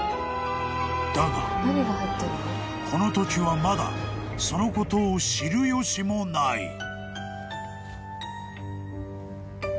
［だがこのときはまだそのことを知る由もない］